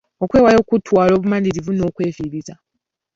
Okwewaayo kutwala obumalirivu n'okwefiiriza.